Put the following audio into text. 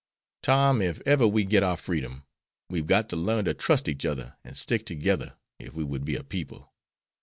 Tom, if ever we get our freedom, we've got to learn to trust each other and stick together if we would be a people.